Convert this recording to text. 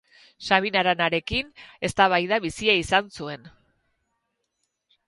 Sabin Aranarekin eztabaida bizia izan zuen.